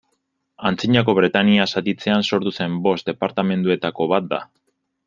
Antzinako Bretainia zatitzean sortu zen bost departamenduetako bat da.